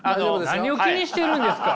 何を気にしているんですか？